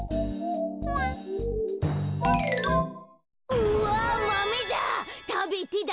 うわマメだ！